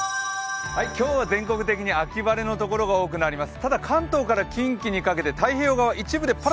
今日は全国的に秋晴れのところが多くなります。